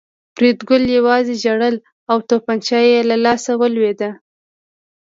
فریدګل یوازې ژړل او توپانچه یې له لاسه ولوېده